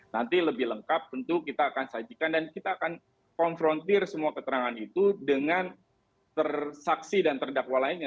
nanti lebih lengkap tentu kita akan sajikan dan kita akan konfrontir semua keterangan itu dengan transaksi dan terdakwa lainnya